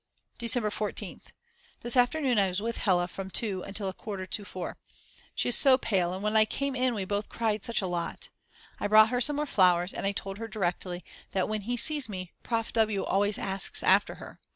December 14th. This afternoon I was with Hella from two until a quarter to 4. She is so pale and when I came in we both cried such a lot. I brought her some more flowers and I told her directly that when he sees me Prof. W. always asks after her.